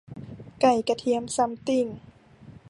ไก่กระเทียมซัมติง